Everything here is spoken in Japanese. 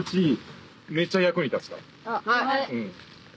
はい。